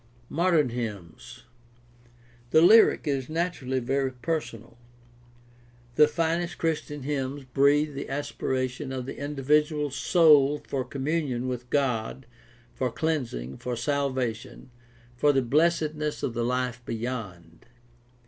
Modem hymns. — The lyric is naturally very personal. The finest Christian hymns breathe the aspiration of the indi vidual soul for communion with God, for cleansing, for sal vation, for the blessedness of the life beyond.